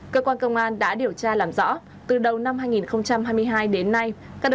cơ quan công an đã điều tra làm rõ từ đầu năm hai nghìn hai mươi hai đến nay